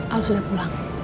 al sudah pulang